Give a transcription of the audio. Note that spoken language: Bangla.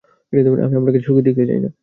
আমি আপনাকে সুখী দেখতে চাই না।